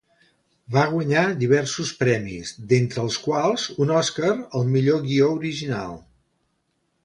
Va guanyar diversos premis, d'entre els quals un Oscar al millor guió original.